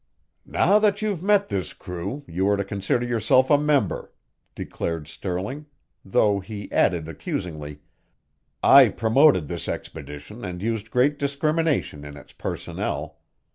"Now that you've met this crew, you are to consider yourself a member," declared Stirling, though he added accusingly, "I promoted this expedition and used great discrimination in its personnel.